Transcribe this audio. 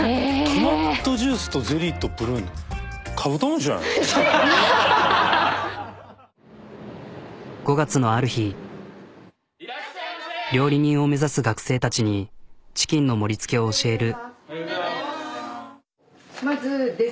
トマトジュースとゼリーとプルーン５月のある日料理人を目指す学生たちにチキンの盛りつけを教える。